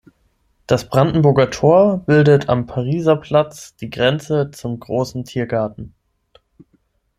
Das Brandenburger Tor bildet am Pariser Platz die Grenze zum Großen Tiergarten.